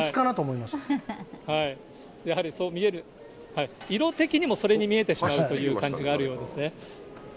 やはりそう見える、色的にもそれに見えてしまうという感じがあるようですね。